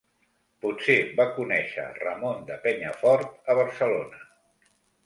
Potser va conèixer Ramon de Penyafort a Barcelona.